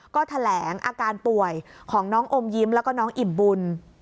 ก็แถลงอาการป่วยของน้องอมยิ้มแล้วก็น้องอิ่มบุญ